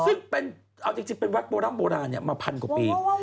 ซึ่งเป็นเอาจริงเป็นวัดโบราณมาพันกว่าปี